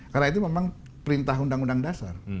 karena itu memang perintah undang undang dasar